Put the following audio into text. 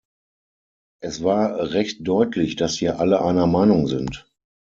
Es war recht deutlich, dass hier alle einer Meinung sind.